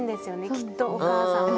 きっとお母さんは。